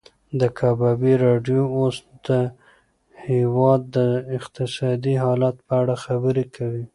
د کبابي راډیو اوس د هېواد د اقتصادي حالت په اړه خبرې کوي.